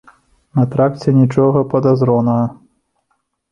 На тракце нічога падазронага.